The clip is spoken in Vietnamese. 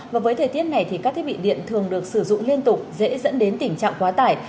và với thời tiết này thì các thiết bị điện thường được sử dụng liên tục dễ dẫn đến tình trạng quá tải